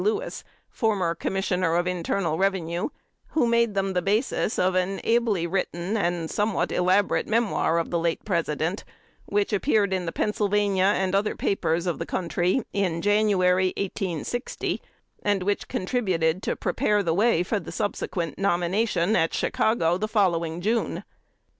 Lewis, former Commissioner of Internal Revenue, who made them the basis of an ably written and somewhat elaborate memoir of the late President, which appeared in the Pennsylvania and other papers of the country in January, 1860, and which contributed to prepare the way for the subsequent nomination at Chicago the following June.